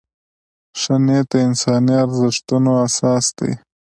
ښه نیت د انساني ارزښتونو اساس دی.